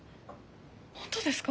本当ですか？